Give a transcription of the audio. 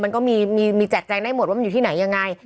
มันก็มีแจกแจงได้หมดว่ามันอยู่ที่ไหนยังไง